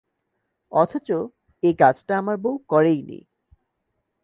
অথচ এ কাজটা আমার বউ করে ই নি।